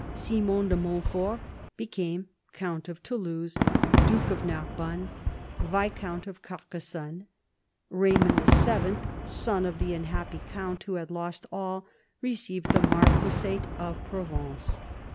Simon de Montfort became count of Toulouse, duke of Narbonne, viscount of Carcassonne. Eaymond VII., son of the unhappy count who had lost all, received the marquisate of Provence.